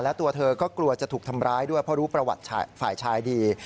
และตัวเธอก็กลัวจะถูกทำร้ายด้วยเพราะรู้ประวัติฝ่ายชายดี